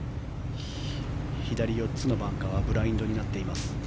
左、４つのバンカーはブラインドになっています。